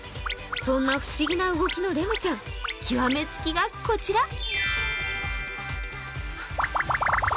そんな不思議な動きのレムちゃん、極めつきがこちら。